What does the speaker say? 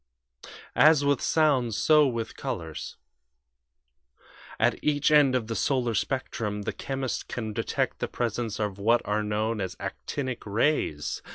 "As with sounds, so with colors. At each end of the solar spectrum the chemist can detect the presence of what are known as 'actinic' rays.